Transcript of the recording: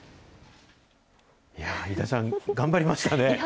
いやぁ、井田さん、頑張りましたね。